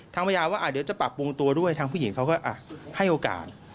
พยายามว่าเดี๋ยวจะปรับปรุงตัวด้วยทางผู้หญิงเขาก็ให้โอกาส